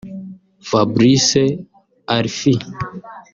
Fabrice Arfi